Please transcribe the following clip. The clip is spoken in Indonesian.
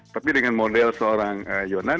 tapi dengan model seorang yonan